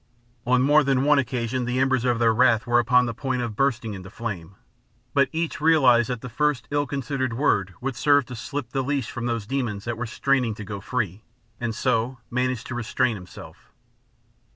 On more than one occasion the embers of their wrath were upon the point of bursting into flame, but each realized that the first ill considered word would serve to slip the leash from those demons that were straining to go free, and so managed to restrain himself.